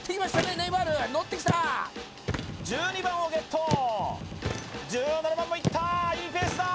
ネイマールのってきた１２番をゲット１７番もいったいいペースだ